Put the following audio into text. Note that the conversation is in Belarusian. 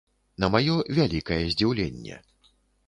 На маё вялікае здзіўленне.